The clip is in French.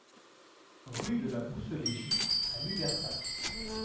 Rue de la Bousseleygie à Lubersac